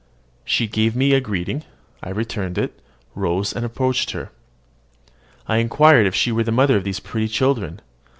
She gave me greeting: I returned it, rose, and approached her. I inquired if she were the mother of those pretty children.